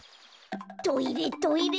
トイレトイレ。